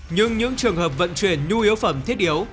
nhưng những trường hợp vận chuyển nhu yếu phẩm thiết yếu